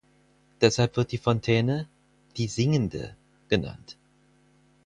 Deshalb wird die Fontäne „die Singende“ genannt.